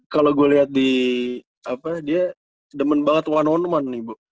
kalau gue lihat di apa dia demen banget one on one nih bu